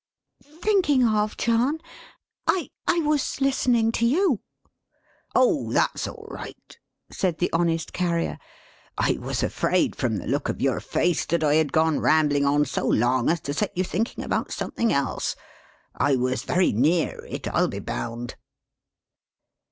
"Thinking of, John? I I was listening to you." "Oh! That's all right!" said the honest Carrier. "I was afraid, from the look of your face, that I had gone rambling on so long, as to set you thinking about something else. I was very near it, I'll be bound."